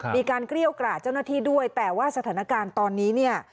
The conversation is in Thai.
เกลี้ยวกราดเจ้าหน้าที่ด้วยแต่ว่าสถานการณ์ตอนนี้เนี่ย